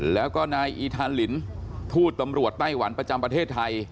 แล้วก็นายอีธาลินทูตตำรวจไต้หวันประจำประเทศไทย